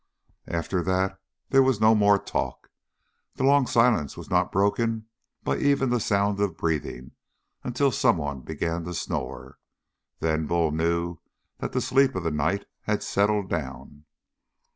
After that there was no more talk. The long silence was not broken by even the sound of breathing until someone began to snore. Then Bull knew that the sleep of the night had settled down.